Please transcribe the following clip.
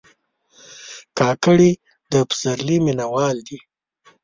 کاکړي د پسرلي مینهوال دي.